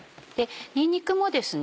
にんにくもですね